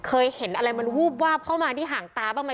เคยเห็นอะไรมันวูบวาบเข้ามาที่ห่างตาบ้างไหม